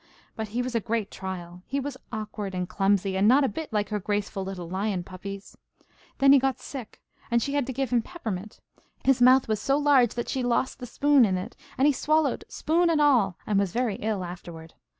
But he was a great trial. He was awkward and clumsy, and not a bit like her graceful little lion puppies. When he got sick, and she had to give him peppermint, his mouth was so large that she lost the spoon in it, and he swallowed spoon and all, and was very ill afterward.